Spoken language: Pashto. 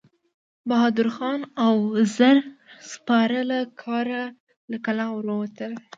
بهادر خان او زر سپاره له کلا ور ووتل.